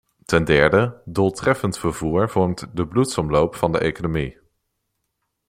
Ten derde: doeltreffend vervoer vormt de bloedsomloop van de economie.